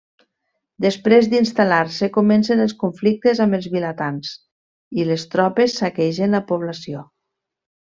Després d'instal·lar-se, comencen els conflictes amb els vilatans i les tropes saquegen la població.